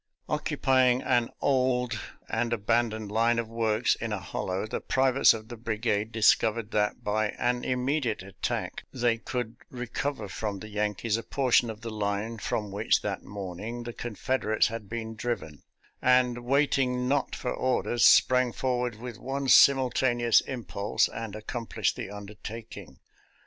Occupying an old and abandoned line of works in a hollow, the privates of the brigade discov ered that by an immediate attack they could recover from the Yankees a portion of the line from which, that morning, the Confederates had been driven ; and, waiting not for orders, sprang forward with one simultaneous impulse and ac complished the undertaking.